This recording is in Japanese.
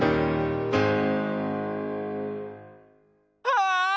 ああ！